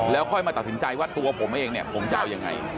แล้วค่อยมาตัดสินใจว่าตัวผมเองเนี่ยผมจะเอายังไง